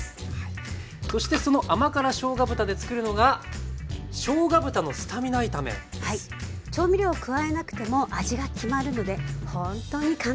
そしてその甘辛しょうが豚でつくるのが調味料を加えなくても味が決まるのでほんとに簡単なんですよ。